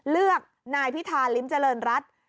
เลือกนายพิธาริมเจริญรัฐ